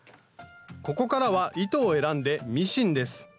ここからは糸を選んでミシンです。